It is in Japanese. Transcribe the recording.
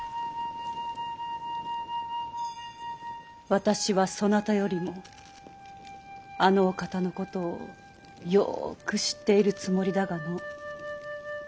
私はそなたよりもあのお方のことをよく知っているつもりだがの。